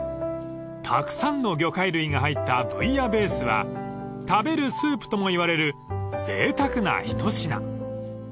［たくさんの魚介類が入ったブイヤベースは食べるスープともいわれるぜいたくな一品］